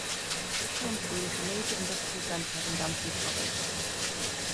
Tianshui is a major industrial centre in Gansu province.